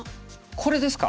これですか？